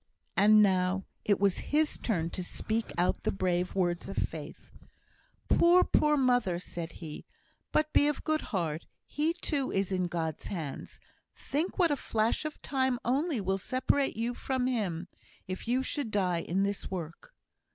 And now it was his turn to speak out the brave words of faith. "Poor, poor mother!" said he. "Be of good heart. He, too, is in God's hands. Think what a flash of time only will separate you from him, if you should die in this work!"